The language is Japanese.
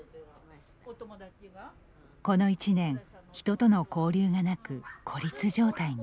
この１年、人との交流がなく孤立状態に。